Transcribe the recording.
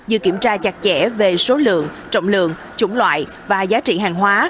như kiểm tra chặt chẽ về số lượng trọng lượng chủng loại và giá trị hàng hóa